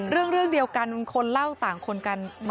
เรื่องเดียวกันคนเล่าต่างคนกัน